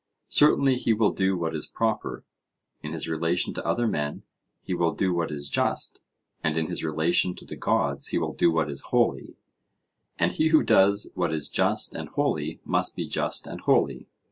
Certainly he will do what is proper. In his relation to other men he will do what is just; and in his relation to the gods he will do what is holy; and he who does what is just and holy must be just and holy?